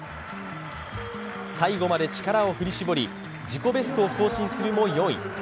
最後まで力を振り絞り、自己ベストを更新するも４位。